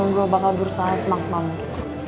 gue bakal berusaha semang semang gitu